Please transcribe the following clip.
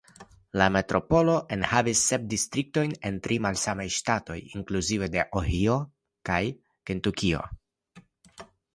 La metropolo enhavas sep distriktoj en tri malsamaj ŝtatoj (inkluzive de Ohio kaj Kentukio).